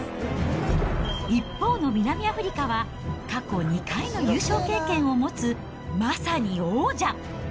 一方の南アフリカは、過去２回の優勝経験を持つまさに王者。